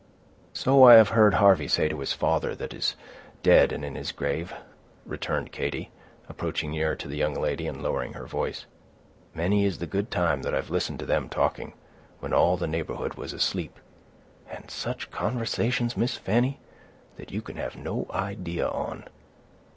"So I have heard Harvey say to his father, that is dead and in his grave," returned Katy, approaching nearer to the young lady, and lowering her voice. "Many is the good time that I've listened to them talking, when all the neighborhood was asleep; and such conversations, Miss Fanny, that you can have no idea on!